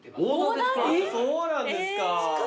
そうなんですか。